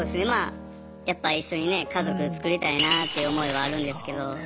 まあやっぱ一緒にね家族作りたいなって思いはあるんですけど。